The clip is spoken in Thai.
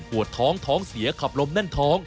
ปวดท้องท้องเสียขับลมแน่นท้อง